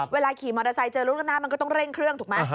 เวลาขี่มอเตอร์ไซต์เจอลูกระนาดมันก็ต้องเร่งเครื่องถูกไหม